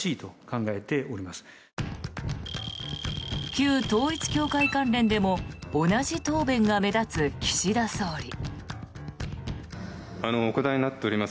旧統一教会関連でも同じ答弁が目立つ岸田総理。